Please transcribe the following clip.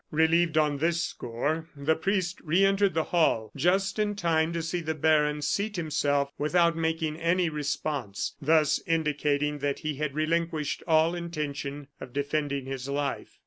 Relieved on this score, the priest re entered the hall just in time to see the baron seat himself without making any response, thus indicating that he had relinquished all intention of defending his life.